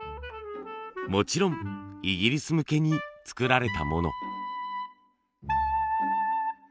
もちろんイギリス向けに作られたもの。